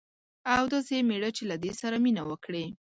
او داسي میړه چې له دې سره مینه وکړي